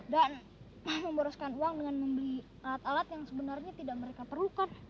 dan merosakkan uang dengan membeli alat alat yang sebenarnya tidak mereka perlukan